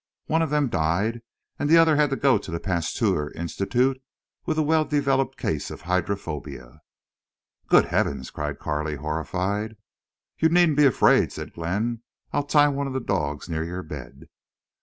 One of them died, and the other had to go to the Pasteur Institute with a well developed case of hydrophobia." "Good heavens!" cried Carley, horrified. "You needn't be afraid," said Glenn. "I'll tie one of the dogs near your bed."